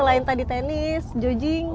selain tadi tenis judging